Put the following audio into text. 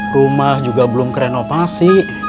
rumah juga belum kerenovasi